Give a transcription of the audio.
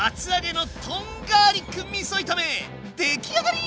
出来上がり！